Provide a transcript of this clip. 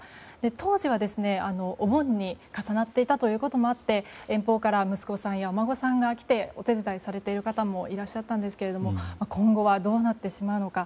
当時はお盆に重なっていたこともあって遠方から息子さんやお孫さんが来てお手伝いされている方もいらっしゃったんですけど今後はどうなってしまうのか。